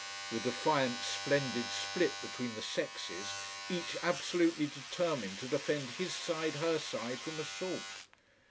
The defiant, splendid split between the sexes, each absolutely determined to defend his side, her side, from assault.